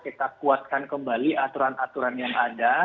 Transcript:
kita kuatkan kembali aturan aturan yang ada